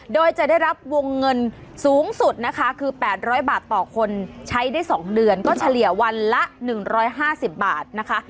โดยจะได้รับวงเงินสูงสุดนะคะคือ๘๐๐บาทต่อคนใช้ได้๒เดือนก็เฉลี่ยวันละ๑๕๐บาทนะคะ